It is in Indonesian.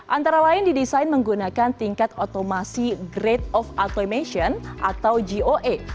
antara lain didesain menggunakan tingkat otomasi grade of automation atau goe